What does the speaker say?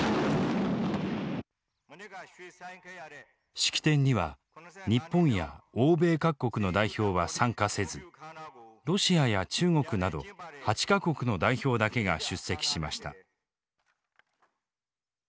式典には日本や欧米各国の代表は参加せずロシアや中国など８か国の代表だけが出席しました。